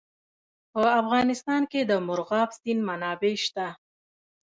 په افغانستان کې د مورغاب سیند منابع شته.